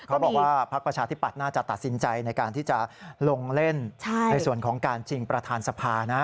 บอกว่าพักประชาธิปัตย์น่าจะตัดสินใจในการที่จะลงเล่นในส่วนของการชิงประธานสภานะ